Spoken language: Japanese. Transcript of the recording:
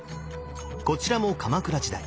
こちらも鎌倉時代。